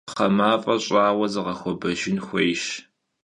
Pxhe maf'e ş'aue zığexuebejjın xuêyş.